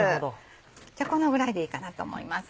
じゃあこのぐらいでいいかなと思います。